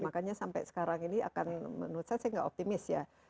makanya sampai sekarang ini akan menurut saya saya nggak optimis ya